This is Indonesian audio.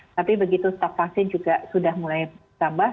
tapi begitu stok vaksin juga sudah mulai tambah